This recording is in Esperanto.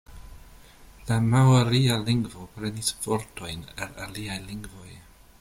La maoria lingvo prenis vortojn el aliaj lingvoj.